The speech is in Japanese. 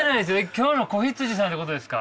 今日の子羊さんってことですか？